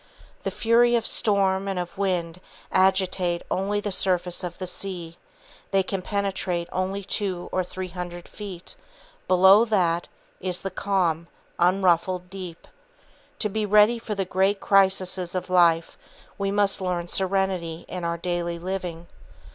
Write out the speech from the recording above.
The fury of storm and of wind agitate only the surface of the sea; they can penetrate only two or three hundred feet, below that is the calm, unruffled deep. To be ready for the great crises of life we must learn serenity in our daily living.